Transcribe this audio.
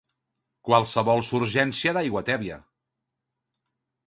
qualsevol surgència d'aigua tèbia